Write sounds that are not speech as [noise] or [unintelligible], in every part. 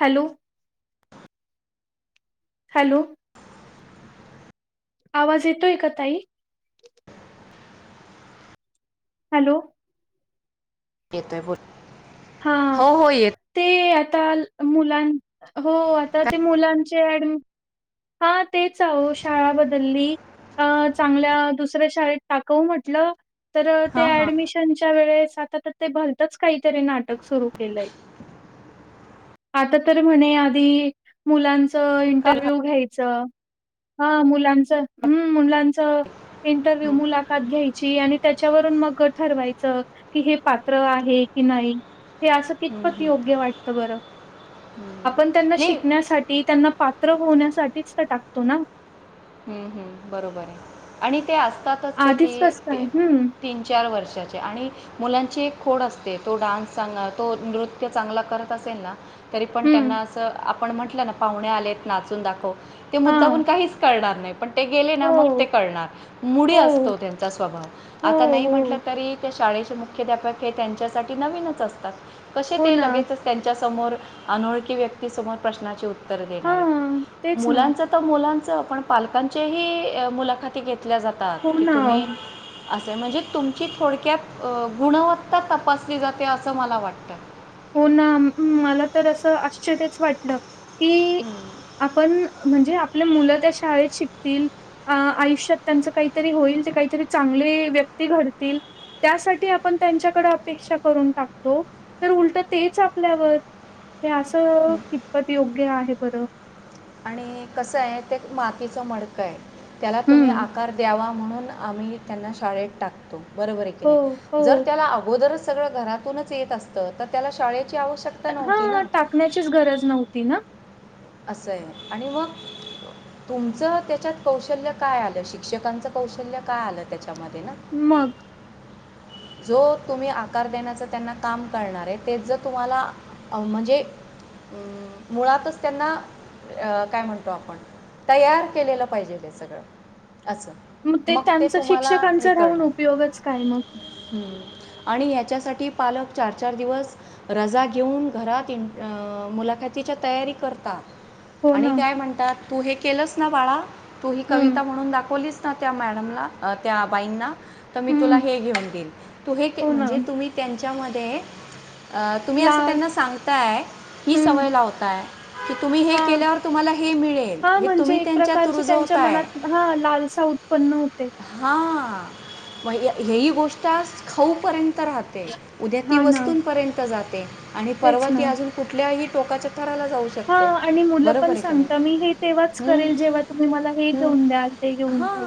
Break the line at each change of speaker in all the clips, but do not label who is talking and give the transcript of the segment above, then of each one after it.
Hello hello आवाज येतोय का ताई? हॅलो
येतोय बोल.
हा
हो हो येत
ते तर मुलांना हो आता ते
काय
मुलांची ते हा तेचह शाळा बदलली चांगल्या दुसऱ्या शाळेत टाकव म्हटलं. तर ते
हां हां
ऍडमिशनची वेळेस आता तर ते भलतच काहीतरी भलतंच सुरू केलंय. आता तर म्हणे आधी मुलां तर
का
इंटरव्हू
हं,
घेईल. हा मुलांचं, हम्म मुलांच इंटरव्ह्यू मुलाखत घेईल ची आणि त्याच्यावरून मग ठरवायच की हे पात्र आहे की नाही. हे असं
हं,
कितपत
हं,
योग्य वाटतं बरं?
हं.
आपण त्यांना
नाही
शिकण्यासाठी त्यांना पात्र होण्यासाठीच टाकतो ना?
हम हम बरोबर आहे आणि ते असतातच
आधीच कसं काय?
किती
हं,
तीन चार वर्षाचे आणि मुलांची एक खोड असते. तो डान्स चांगला तो नृत्य चांगला करत असेल ना? तरी पण त्यांना
हं.
असं आप पण म्हटलं ना पाहुणे आलेत नाचून दाखव ते
हां.
मुद्दामुन काहीच करणार नाही. पण ते गेले ना मग
हो,
ते करणार. मुडी
हो,
असतो त्यांचा स्वभाव
हो,
आता नाही
हो.
म्हटलं तरी शाळेचे मुख्याध्यापक हे त्यांच्यासाठी नवीनच असतात. कसे
हो
ते
ना.
लगेच त्यांच्या समोर अनोळखी व्यक्तीसमोर प्रश्नाचे उत्तर देणार
हां,
आहेत
तेच ना.
मुलांच मुलां आपण पालकांचे ह मुलाखती घेतो घेतल्या जातात
हो
की
ना.
तुम्ही असे म्हणजे तुमची थोडक्यात गुणवत्ता तपासली जाते असं मला वाटतं.
हो ना मला तर असं आश्चर्यच वाटलं. कि
हम्म.
आपण म्हणजे आपल्या मुलं त्या शाळेत शिकतील आयुष्यात त्यांच काहीतरी होईल. ते काहीतरी चांगले व्यक्ती घडतील, त्यासाठी आपण त्यांच्याकडे अपेक्षा करून टाकतो तर उल तर तेच आपल्यावर हे असं कितपत योग्य आहे. बरं.
आणि कसं आहे? ते मातीचं मडक आहे. त्याला तुम्ही
हं.
आकार द्यावा. म्हणून आम्ही त्यांना शाळेत टाकतो. बरोबर आहे की
हो,
नाही जर
हो.
त्याला अगोदरच सगळं घरातूनच येत असत तर त्याला शाळेत
हा टाकण्याचीच गरज नव्हती ना.
असं आहे आणि मग तुमचं त्याच्यात कौशल्य काय आलं? शिक्षकांचं कौशल्य काय आलं? त्याच्यामध्ये ना
मग?
जो तुम्ही आकार देण्याच त्यांना काम करणार आहे तेच जर तुम्हाला म्हणजे मुळातच त्यांना काय म्हणतो आपण तयार केलेलं पाहिजे ते सगळं असं
मग ते त्यांचा शिक्षकांचा राहून उपयोगच काय मग
हम आणि ह्याच्यासाठी पालक चार चार दिवस रजा घेऊन घरात मुलाखतीच्या तयारी करतात
हो
आणि
ना.
काय म्हणतात तू हे केलंस [unintelligible] तू ही
हं.
कविता म्हणून दाखवलीस त्या मॅडमला त्या बाईंना तर मी तुला
हं,
हे घेऊन तु
हो ना.
म्हणजे तुम्ही त्यांच्यामध्ये तुम्ही
ला
असं त्यांना सांगताय ही सवय
हं.
लावताय कि तुम्ही हे
हां.
केल्यावर [unintelligible] तुम्हाला हे मिळेल
हां,
हे
म्हणजे
तुम्ही
एक
त्यांच्यात
प्रकारची त्यांच्या
रुजवताय
मनात हां, लालसा उत्पन्न होते.
हा [inaudible] हे ही गोष्ट [unintelligible] स खाऊपर्यंत राहते उद्या ती
हां ना,
वस्तूपर्यंत जाते ते [inaudible] आणि पर्वती अजून कुठल्याही? टोकाच्या [inaudible]
हा
शकते
आणि मुलं पण
बरोबर आहे की
सांगत
नाही
मी हे तेव्हाच
हं,
करेल जेव्हा तुम्ही मला हे
हं.
घेऊन द्याल ते घेऊन द्याल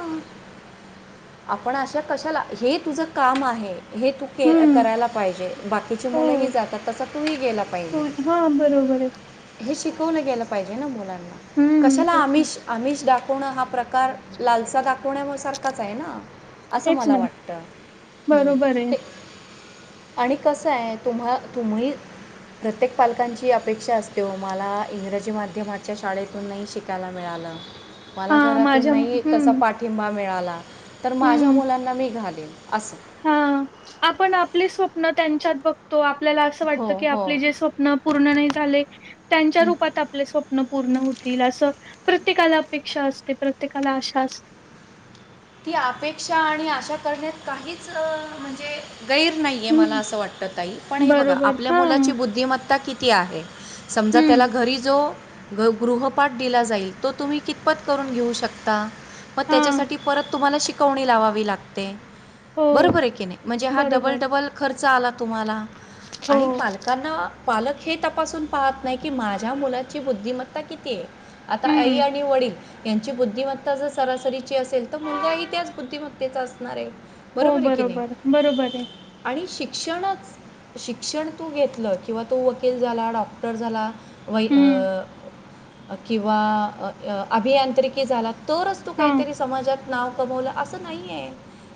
पण अशा कशाला? हे तुझं काम आहे. हे तू के
हं.
करायला पाहिजे. बाकीचे
हो.
मुलंही जातात तसा [inaudible] तूही गेला पाहिजे
हो. हां, बरोबर आहे.
हे श शिकवलं गेलं पाहिजे ना मुला
हं,
कशाला
तेच ना,
आमिष आमिष दाख पण [inaudible] हा प्रकार [inaudible] लालसा दाखवण्या सारखाच आहे ना [inaudible] असं
तेच
मला
ना.
[inaudible] वाटतं हं.
बरोबर आहे.
[inaudible] आणि कसं आहे तुम्हा तुम्ही प्रत्येक पालकांची अपेक्षा असते मला [inaudible] इंग्रजी माध्यमाच्या शाळेतून नाही शिकायला मिळालं. [inaudible] मला
हां,
घरातून
माझ्या
नाही त्यासा
हं,
पाठिंबा मिळाला [inaudible] तर माझ्या [inaudible] मुलांना मी घालेन असं
हा आपण आपले स्वप्न त्यांच्यात बघतो आपल्याला असं
हो
वाटत की
हो
आपले जे स्वप्न पूर्ण नाही झाले त्यांच्या
हं.
रूपात आपले स्वप् पूर्ण होतील असं प्रत्येकाला अपेक्षा असते. प्रत्येकाला आशा असते.
ती अपेक्षा आणि अशा करण्यात काहीच म्हणजे गैर नाहीये मला
हं.
असं वाटत. ताई पण हे बघा
बरोबर.
आपल्या
हां.
मुलाची बुद्धिमत्ता किती? ती आहे [inaudible] समजा [inaudible]
हं.
त्याला घरी जो ग गृहपाठ दिला जाईल तो तुम्ही कितपत करून घेऊ शकता. मग
हां.
त्याच्यासाठी परत तुम्हाला शिकवणी लावावी लागते.
हो.
बरोबर आहे की ने म्हणजे हा
बरोबर.
डबल डबल खर्च चालाक तुम्हाला [inaudible]
हो.
आणि पालकांना पालक हे [inaudible] तपासून पाहत नाही की [inaudible] माझ्या मुलाची बुद्धिमत्ता किती आहे? [inaudible] आता आई
हं.
आणि वडील यांची बुद्धिमत्ता जर सरासरीची असेल तर मुलगा ही त्याच बुद्धिमत्तेचा असणार आहे.
हो
आहे की नाही
बरोबर, बरोबर आहे.
आणि शिक्षणच, शिक्षण तू घेतलं किंवा तू वकील झाला डॉक्टर झाला वै
हं.
किंवा अभियांत्रिकी झाला तरच तु
हां.
काहीतरी समाजात कमवलं असं नाहीये.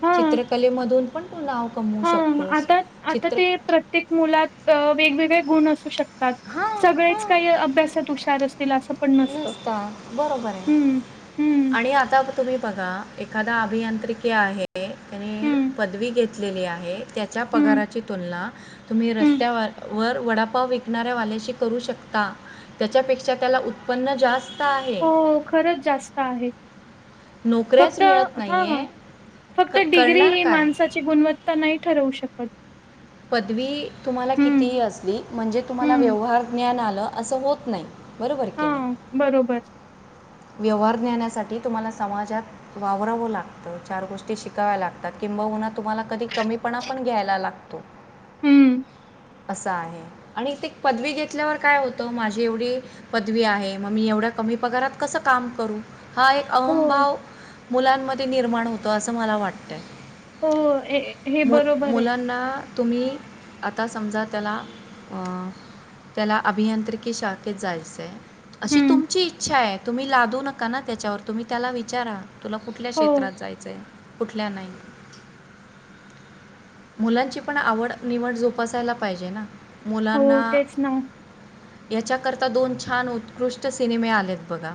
हां.
चित्रकलेमधून पण तू नाव कमवू
हां.
शकतोस,
आता आता
चित्र
ते प्रत्येक मुलात अ, वेगवेगळे गुण असू शको
हां
सगळेच
हां
काही अभ्यासात हुशार असतील असं पण नसतं.
नसता बरोबर आहे
हं, हं,
आणि आता तुम्ही बघा एखादा अभियांत्रिक ते आहे. त्यांनी
हं,
पदवी घेतली. घेतलेली आहे. त्याच्या
हं,
पगाराची तुलना तुम्ही
हं.
रस्त्यावर वर वडापाव विकणाऱ्या वाल्याशी करू शकता त्यांच्यापेक्षा त्याला उत् उत्पन्न जास्त आहे
हो खरंच जास्त आहे.
नोकऱ्याच
फक्त
मिळत
हं
नाही
हं,
आहे क
फक्त डिग्री
करणार
ही
काय
माणसाची गुणवत्ता नाही ठरवू शकत. कधी
पदवी तुम्हाला किती असली, म्हणजे तुम्हाला व्यवहार ज्ञान आले. असे होत नाही. बरोबर की
हा
नाही
बरोबर.
व्यवहार ज्ञानासाठी तुम्हाला समाजात वावररावं लागतं, चार गोष्टी शिकाव्या लागतात किंबहुना तुम्हाला कधी कमीपणा पण घ्यायला लागतो. तो [unintelligible]
हम्म.
असं आहे आणि ते पदवी घेतल्यावर काय होतं माझी एवढी पदवी आहे, मग मी एवढ्या कमी पगारात... कसं काम करू? हा एक अहम
हो,
भाव मुलांमध्ये ते निर्माण होतं असं मला वाटतं.
हो हे
मु
बरोबर आहे.
मुलांना तुम्ही आता समजा त्याला, त्याला अभियांत्रिकी शाखेत जायचं आहे. अशी
हं.
तुमची इच्छा आहे. तुम्ही लादू नका ना त्याच्यावर तुम्ही त्याला विचारा तुला कुठल्या
हो,
क्षेत्रात जायचं आहे कुठल्या नाही. मुलांची पण आवड निवड जोपासायला पाहिजे ना! मुलांना
हो. तेच ना.
याच्याकरता दोन छान उत्कृष्ट सिनेमे आलेत. बघा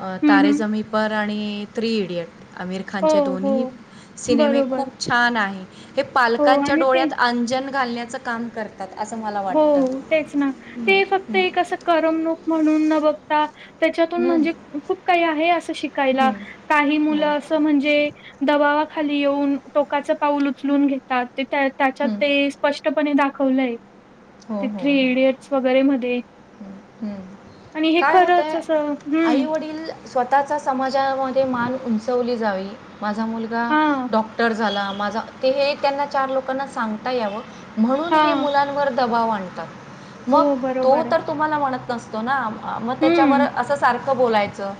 अ
हं,
तारे
हं.
जमी पर. आणि थ्री इडीयट्स. आमिर
हो,
खानचे दोन्ही
हो.
सिनेमे
बरोबर.
खूप छान आहे, हे
हो
पालकांच्या
आणि ते
डोळ्यात अंजन घालण्याच काम कर
हो तेच ना! ते
हम्म,
फक्त एक अस करमणूक म्हण म्हणून न बघता. त्याच्यातून
हम्म,
म्हणजे खूप काही आहे, असं शिकायला
हम्म, हम्म,
काही
हो
मुलं असं म्हणजे दवा खाली येऊन टोकाचं पाऊल उचलून घेतात. त्या त्याच्यात
हम्म,
ते स्पष्टपणे दा खलंय
हो हो हो
मध्ये आणि हे
काय
खरंच
होतंय,
असं
आई
हं.
वडील स्वतःचा समाजामध्ये मान उंचवली. जावी. माझा मुलगा
हां,
डॉक्टर झाला. माझं ते हे त्यांना चार लोकांना सांगता यावं. म्हणून हे
हां.
मुलांवर दबाव आणतात. मग
हो,
तो
बरोबर आहे.
तर तुम्हाला म्हणत नसतो ना, म त्याच्यावर
हं,
असं सारखं, बोलायचं.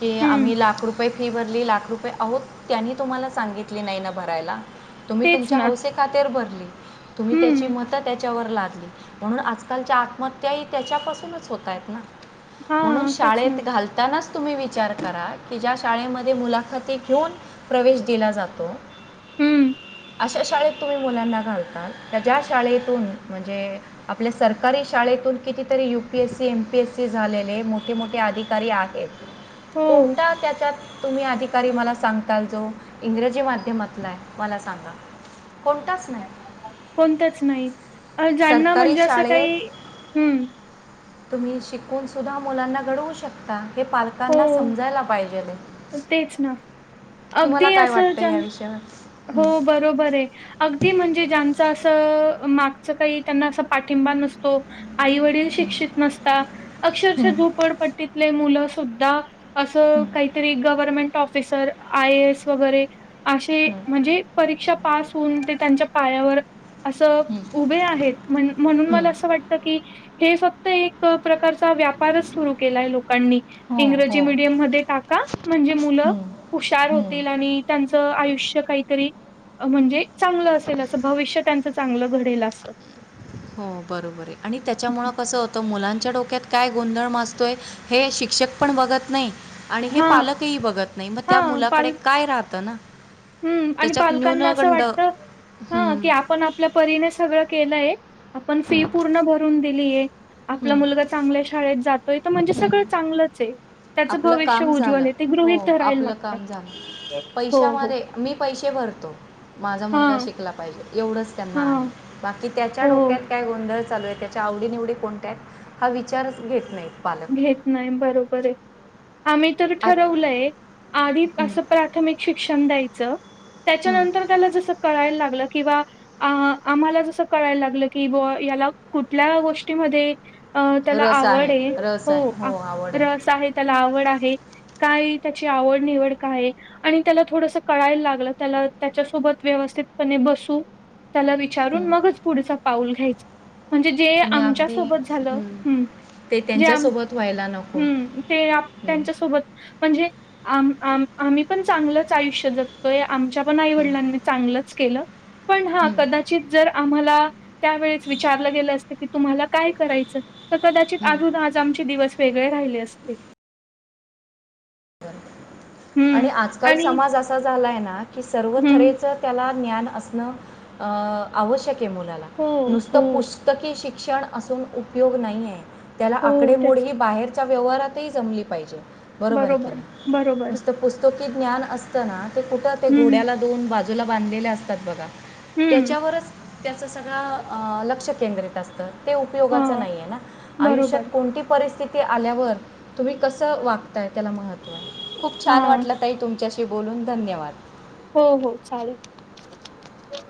की
हं.
आम्ही लाख रुपये फी भरली लाख रुपये आहोत, त्यांनी तुम्हाला सांगितले नाही ना भरायला, तुम्ही
तेच
तुमच्या
ना.
हौसे खातेर भरली. तुम्ही त्याची
हं.
मत त्यात चवरल म्हणून आजकालच्या आत्महत्या ह त्याच्यापासूनच होतय आहेत ना. म्हणून
हां, तेच ना.
शाळेत घालतानाच, तुम्ही विचार करा की ज्या शाळेमध्ये मुलाखती घेऊन प्रवेश दिला जातो.
हम्म!
अशा शाळेत तुम्ही मुलांना घालता तर ज्या शाळेतून म्हणजे, आपल्या सरकारी शाळेतून किती, तर U P S C, M P S ते झालेले मोठे मोठे अधिकारी आहेत.
हो,
कोणता त्याच्यात? तुम्ही अधिकारी मला सांगताल, जो इंग्रजी माध्यमातलाय? मला सांगा कोणताच नाही.
कोणतंच नाही. अ ज्यांना
सरकारी
म्हणजे असं काही
शाळेत
हम्म
तुम्ही शिकून सुद्धा मुलांना घडवू शकता. हे पालकांना समजायला पाहिजेल ये
अ तेच ना, अगदी
काय
अस
वाटतं या
ज्यानं,
विषयावर
हो
हम्म,
बरोबर ये अगदी म्हणजे ज्यांच अस अ मागच काही त्यांना अस पाठिंबा नसतो, आई वडील शिक्षित नसता अक्षरशः
हम्म,
झोपडपट्टीतले मुलं सुद्धा असं
हम्म,
काइ government officer I A S वगैरे अशे
हम्म,
म्हणजे परीक्षा पास होऊन ते त्यांच्या पायावर असं
हम्म,
उभे आहेत म्हन म्हणून
हम्म.
मला असं वाटत की, हे फक्त एक प्रकारचा व्यापारच सुरू केलाय लोकांनी
हो
इंग्रजी
हो
मीडियम मध्ये टाक म्हणजे मुलं
हम्म,
हुशार
हम्म.
होतील आणि त्यांच आयुष्य काहीतरी अ म्हणजे चांगलं असेल अस भविष्य त्यांच चांगलं घडेल आस
हो बरोबर ये आणि त्याच्यामूळ कसं होतं मुलां च्या डोक्यात काय गोंधळ माजतोय हे शिक्षक पण बघत नाही. आणि हे
हां
पालकही बघत नाही, मग त्या
हां
मुलाकडे
पाल
काय राहतं ना
हम्म आणि
त्याच्यात
पालकांना असं
न्यूनगंड
वाटत ह
हम्म,
की आपण आपल्या परीने सगळं केलंय. आपण फी
हम्म,
पूर्ण भरून दि लिये आपला
हम्म,
मुलगा चांगल्या शाळेत जात तो इ त म्हणजे सगळं
हम्म.
चांगलंच ये
आपलं काम झालं, हो
धरायला
आपलं
लागतात.
काम झालं,
हो
पैशा
हो
मदे मी पैसे भरतो. माझा मुलगा
हां
शिकला पाहिजे. एवढंच त्यांना
हां
आहे बाक कि त्याच्या
हो
डोक्यात काय गोंधळ चालू ये ते च्या आवडी निवडी कोणत्या आहेत हा विचारच घेत नईत.
घेत नाही बरोबर आहे आम्ही तर
आज
ठरवलंय आधी
हं,
असं प्राथमिक शिक्षण द्यायचं च
हं.
त्याच्यानंतर त्याला जस कळाय लाग किंवा आम्हाला जस कयला लागलं की ब याला कुठल्या गोष्टीमध्ये अ त्याला
रस
आवड आहे
रस
हो
आहे आवड
रस आहे त्याला आवड आहे काय त्याची आवड निवड काय आणि त्याला थोडस कळायला लागलं त्याला त्याच्या सोबत व्यवस्थितप बसू त्याला विचारून
हं.
मगच पुढं पाऊल घ्यायच म्हणजे जे
तुम्ही
आमच्या
अगदी
सोबत झालं
हं.
ह
ते
जे आ हम्
त्यांच्यासोबत व्हायला नको
ते
हं,
त्यांच्या सोबत म्हणजे आम आम आम्ही पण चांगलंच आयुष्य जगतोय आमच्या पण आई
हं,
वडिलांनी चांगलंच केलं पण हा
हं,
कदाचित जर आम्हाला त्यावेळेस विचारलं गेलं असतं की तुम्हाला काय करायचं तर कदाचित
हं.
आमचे दिवस वेगळे राहिले असते
र
हं
आणि आजकाल
आणि
समाज असा झालाय ना कि सर्व
हं.
तेच त्याला ्ान असण आवश्यक
हो,
नुसत
हो,
पुस्तक शिक शिक्षण असून उपयोग नाही आहे त्याला
हो. तेच.
आकडेमुळेडही बाहेर च्या व्यवहारातही जमली पाहिजे बरोबर आहे नसत पुस्तक की ज्ञान असतना ते कुठं ते
हं,
घोड्याला दऊन बाज बाजूला बांधलेले असतात बघा.
हं.
त्याच्यावरच त्यांचा सगळ अ लक्ष केंद्रित अस तर. ते उपयोगाच
हां,
नाहीय ना. आयुष्यात
बरोबर.
कोणती परिस्थिती ते आल्यावर तुम्ही कसं वागताय त्याला महत्व खूप छान
हां.
वाटलं ताई तुमच्याशी बोलून धन्यवाद.
हो हो चालेल.